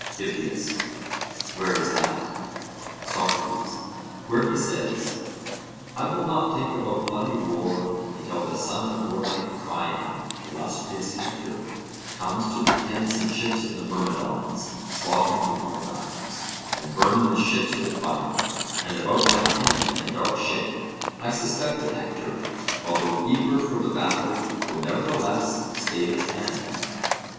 HIPPIAS: Where is that? SOCRATES: Where he says, 'I will not think about bloody war until the son of warlike Priam, illustrious Hector, comes to the tents and ships of the Myrmidons, slaughtering the Argives, and burning the ships with fire; and about my tent and dark ship, I suspect that Hector, although eager for the battle, will nevertheless stay his hand.'